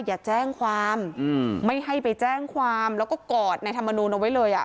อย่าแจ้งความไม่ให้ไปแจ้งความแล้วก็กอดในธรรมนูลเอาไว้เลยอ่ะ